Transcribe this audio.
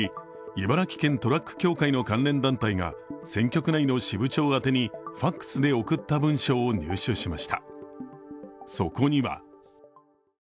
茨城県トラック協会の関連団体が選挙区内の支部長宛にファクスで送った文書を入手しました。